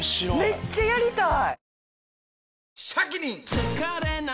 めっちゃやりたい！